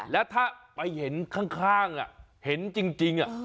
แล้วถ้าไปเห็นข้างเห็นจริง